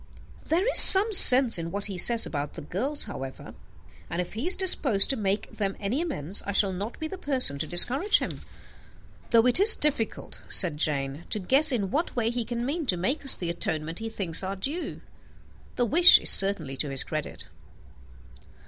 "There is some sense in what he says about the girls, however; and, if he is disposed to make them any amends, I shall not be the person to discourage him." "Though it is difficult," said Jane, "to guess in what way he can mean to make us the atonement he thinks our due, the wish is certainly to his credit."